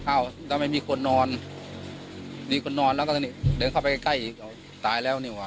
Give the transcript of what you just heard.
อ้าวทำไมมีคนนอนมีคนนอนแล้วก็นี่เดินเข้าไปใกล้ใกล้ตายแล้วนี่ว่